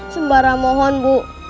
sembara mohon bu